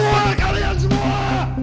keluar kalian semua